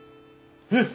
えっ！